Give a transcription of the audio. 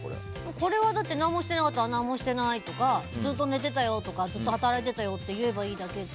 これは何もしてなかったら何もしてないとかずっと寝てたよとかずっと働いてたよって